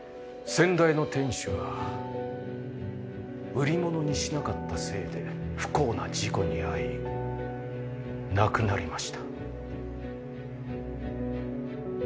先代の店主は売り物にしなかったせいで不幸な事故に遭い亡くなりました。